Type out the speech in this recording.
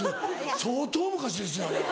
相当昔ですよあれ。